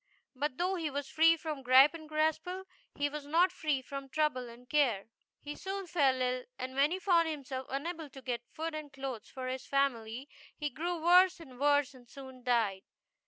But though he was free from Gripe and Graspall she was not free from trouble and care. He soon fell ill, and when he found himself unable to get GOODY TWO SHOES. food and clothes for his family, he grew worse and worse and soon died.